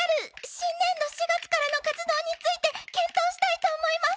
新年度４月からの活動について検討したいと思います。